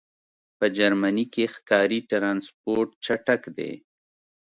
په جرمنی کی ښکاری ټرانسپورټ چټک دی